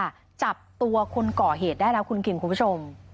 จับตัวคนก่อเหตุได้แล้วคุณคิงคุณผู้ชม